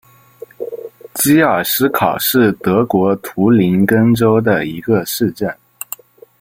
基尔施考是德国图林根州的一个市镇。